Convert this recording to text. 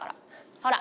ほら。